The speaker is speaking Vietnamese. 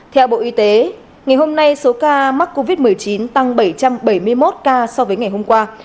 theo bộ y tế ngày hôm nay số ca mắc covid một mươi chín tăng bảy trăm bảy mươi một ca so với ngày hôm qua